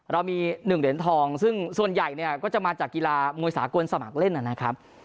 เรามี๑เหรียญทองซึ่งส่วนใหญ่เนี่ยก็จะมาจากกีฬามวยสากลสมัครเล่นนะครับ